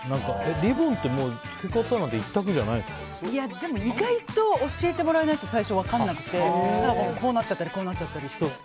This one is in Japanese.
リボンって、着け方なんてでも意外と教えてもらわないと最初分からなくてこうなっちゃったりして。